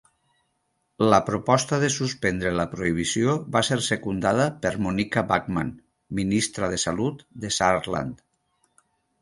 La proposta de suspendre la prohibició va ser secundada per Monika Bachmann, Ministra de Salut de Saarland.